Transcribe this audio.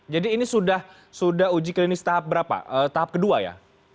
jadi ini sudah uji klinis tahap berapa tahap kedua ya